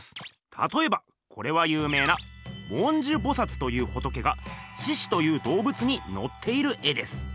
たとえばこれは有名な文殊菩薩という仏が獅子という動物にのっている絵です。